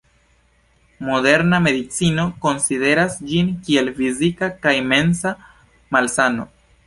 Moderna medicino konsideras ĝin kiel fizika kaj mensa malsano.